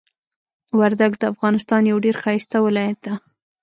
وردګ د افغانستان یو ډیر ښایسته ولایت ده.